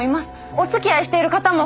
おつきあいしている方も！